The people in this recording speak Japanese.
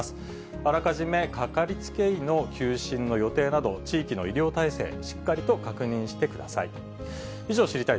あらかじめかかりつけ医の休診の予定など、地域の医療体制、しっかりと確認してください。